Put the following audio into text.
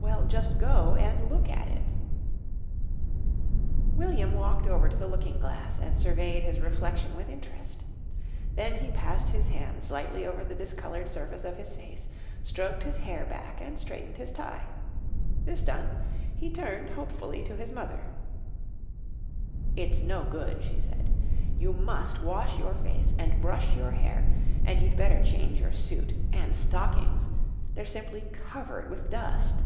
"Well, just go and look at it." William walked over to the looking glass and surveyed his reflection with interest. Then he passed his hands lightly over the discoloured surface of his face, stroked his hair back and straightened his tie. This done, he turned hopefully to his mother. "It's no good," she said. "You must wash your face and brush your hair and you'd better change your suit and stockings. They're simply covered with dust!"